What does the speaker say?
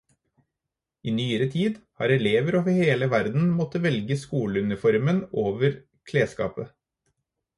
I nyere tid har elever over hele verden måtte velge skoleuniformen over klesskapet.